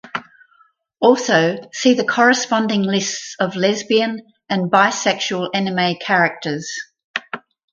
Also see the corresponding lists of lesbian and bisexual anime characters.